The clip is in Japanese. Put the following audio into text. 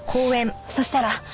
そしたら。